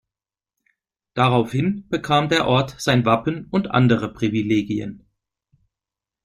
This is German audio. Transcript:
Daraufhin bekam der Ort sein Wappen und andere Privilegien.